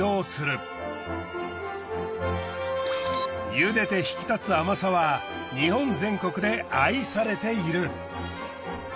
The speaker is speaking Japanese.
茹でて引き立つ甘さは日本全国で愛されている。